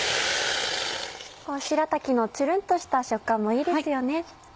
しらたきのちゅるんとした食感もいいですよね。